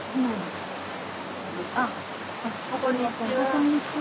こんにちは！